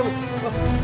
bawa di bawa di